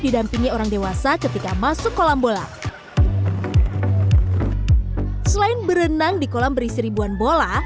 didampingi orang dewasa ketika masuk kolam bola selain berenang di kolam berisi ribuan bola